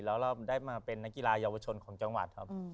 แล้วเราได้มาเป็นนักกีฬาเยาวชนของจังหวัดครับ